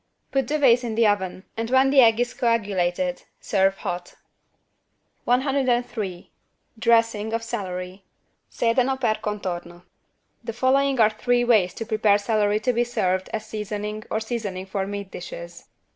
Put the vase in the oven and when the egg is coagulated, serve hot. 103 DRESSING OF CELERY (Sedano per contorno) The following are three ways to prepare celery to be served as seasoning or seasoning for meat dishes.